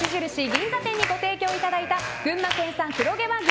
銀座店にご提供いただいた群馬県産黒毛和牛